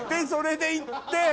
それで行って。